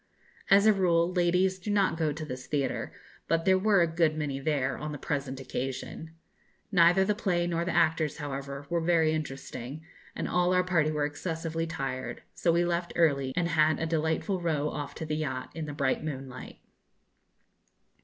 As a rule, ladies do not go to this theatre, but there were a good many there on the present occasion. Neither the play nor the actors, however, were very interesting, and all our party were excessively tired; so we left early, and had a delightful row off to the yacht, in the bright moonlight.